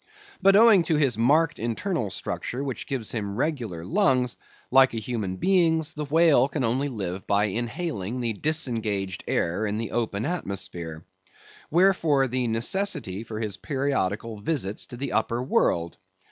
But owing to his marked internal structure which gives him regular lungs, like a human being's, the whale can only live by inhaling the disengaged air in the open atmosphere. Wherefore the necessity for his periodical visits to the upper world.